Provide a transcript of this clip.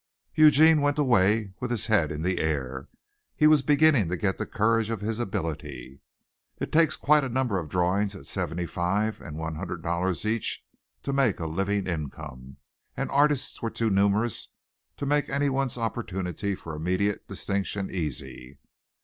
Eugene went away with his head in the air. He was beginning to get the courage of his ability. It takes quite a number of drawings at seventy five and one hundred dollars each to make a living income, and artists were too numerous to make anyone's opportunity for immediate distinction easy.